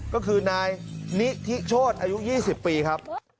ก็คือนายนิธิโชธอายุ๒๐ปีครับ